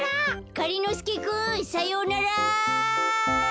がりのすけくんさようなら。